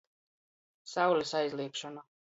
Saulis aizliekšona.